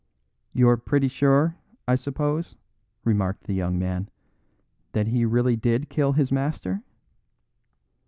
"You're pretty sure, I suppose," remarked the young man, "that he really did kill his master?"